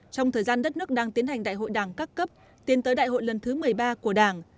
trong thời gian đất nước đang tiến hành đại hội đảng các cấp tiến tới đại hội lần thứ một mươi ba của đảng